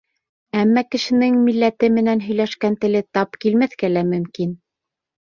Әммә кешенең милләте менән һөйләшкән теле тап килмәҫкә лә мөмкин.